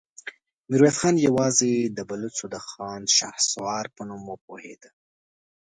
ميرويس خان يواځې د بلوڅو د خان شهسوار په نوم وپوهېد.